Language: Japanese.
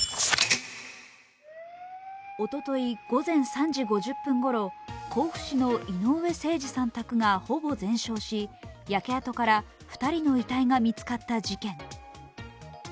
おととい午前３時５０分頃、井上盛司さん宅がほぼ全焼し、焼け跡から２人の遺体が見つかった事件。